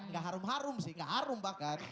gak harum harum sih nggak harum bahkan